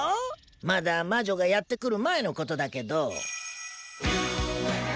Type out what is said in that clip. まだ魔女がやって来る前の事だけど。